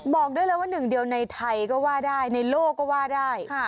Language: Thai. บอกได้เลยว่าหนึ่งเดียวในไทยก็ว่าได้ในโลกก็ว่าได้